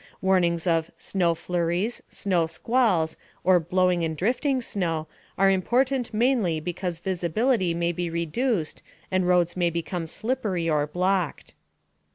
Warnings of snow flurries, snow squalls, or blowing and drifting snow are important mainly because visibility may be reduced and roads may become slippery or blocked.